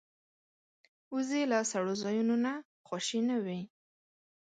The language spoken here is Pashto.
وزې له سړو ځایونو نه خوشې نه وي